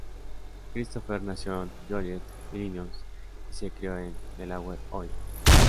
Christopher nació en Joliet, Illinois y se crio en Delaware, Ohio.